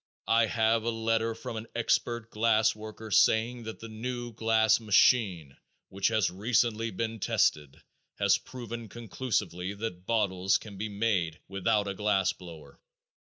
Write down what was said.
I have a letter from an expert glass worker saying that the new glass machine which has recently been tested, has proven conclusively that bottles can be made without a glass blower.